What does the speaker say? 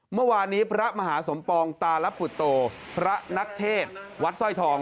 เมื่อวานนี้พระมหาสมปองตาลปุตโตพระนักเทศวัดสร้อยทอง